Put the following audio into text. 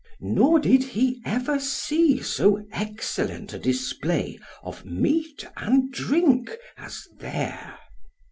Nor did he ever see so excellent a display of meat and drink as there.